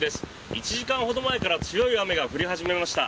１時間ほど前から強い雨が降り始めました。